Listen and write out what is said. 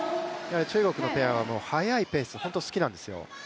中国のペアは速いペースが本当に好きなんですよ。